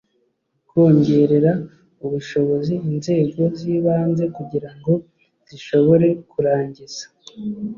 Kongerera ubushobozi inzego z ibanze kugira ngo zishobore kurangiza